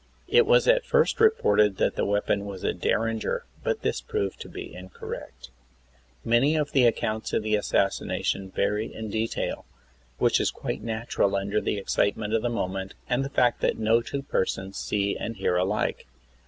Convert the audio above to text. It was at first reported that the weapon was a derringer, but this proved to be incorrect. Many of the accounts of the assassination vary in detail, which is quite natural under the excitement of the moment, and the fact that no two persons see and hear alike.